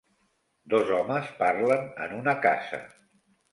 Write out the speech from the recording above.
Dos homes parlen en una casa.